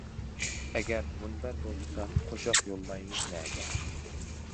ئەگەر مۇنبەر بولمىسا، قوشاق يوللايمىز نەگە.